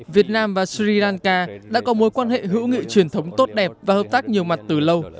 việt nam và sri lanka đã có mối quan hệ hữu nghị truyền thống tốt đẹp và hợp tác nhiều mặt từ lâu